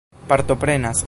partoprenas